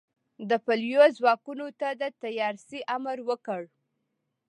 د پلیو ځواکونو ته د تیارسئ امر وکړ.